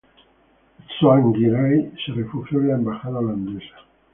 Tsvangirai se refugió en la embajada holandesa.